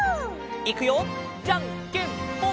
いくよじゃんけんぽん！